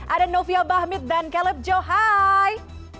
ada novia bahmit dan caleb jo hai